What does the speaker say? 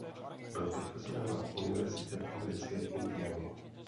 Byl profesorem na univerzitě v americké Indianě.